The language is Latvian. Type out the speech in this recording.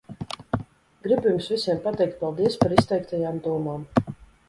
Gribu jums visiem pateikt paldies par izteiktajām domām.